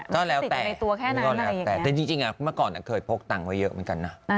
ก็แล้วแต่มันก็แล้วแต่แต่จริงอ่ะเมื่อก่อนเคยพกตังค์ไว้เยอะเหมือนกันนะ